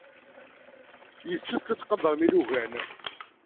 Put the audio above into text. Yessefk ad tqadremt ilugan.